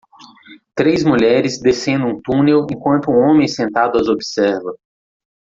Três mulheres descendo um túnel enquanto um homem sentado as observa.